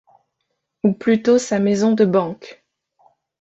Ou plutôt sa maison de banque.